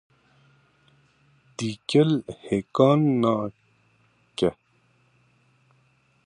Dîkil hêka neke.